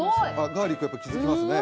ガーリックやっぱ気づきますね